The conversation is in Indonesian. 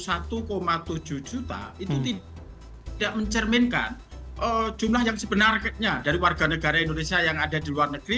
satu tujuh juta itu tidak mencerminkan jumlah yang sebenarnya dari warga negara indonesia yang ada di luar negeri